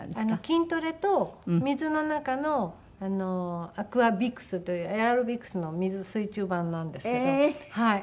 筋トレと水の中のアクアビクスというエアロビクスの水中版なんですけどはい。